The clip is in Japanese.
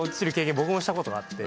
僕もしたことがあって。